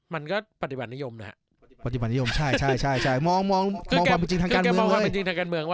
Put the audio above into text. มันก็ปฏิบัตินิยมนะครับปฏิบัตินิยมใช่มองความจริงทางการเมืองเว้ย